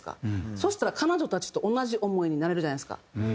そしたら彼女たちと同じ思いになれるじゃないですか。